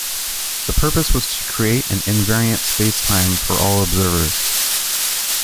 The purpose was to create an invariant spacetime for all observers.